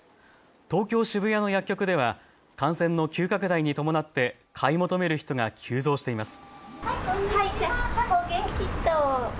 東京渋谷の薬局では感染の急拡大に伴って買い求める人が急増しています。